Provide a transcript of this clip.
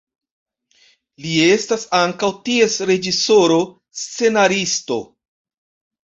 Li estas ankaŭ ties reĝisoro, scenaristo.